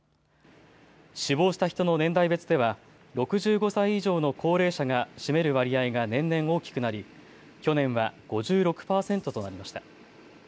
死亡した人の年代別では６５歳以上の高齢者が占める割合が年々大きくなり去年は５６％となりました。